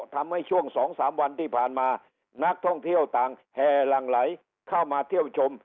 ทำให้ช่วง๒๓วันที่ผ่านมานักท่องเที่ยวต่างแห่หลั่งไหลเข้ามาเที่ยวชม